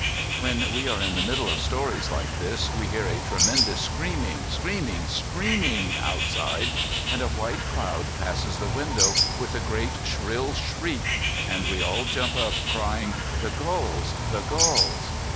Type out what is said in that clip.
When we are in the middle of stories like this, we hear a tremendous screaming, screaming, screaming outside, and a white cloud passes the window with a great, shrill shriek, and we all jump up crying, "The gulls, the gulls!"